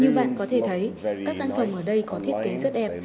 như bạn có thể thấy các căn phòng ở đây có thiết kế rất đẹp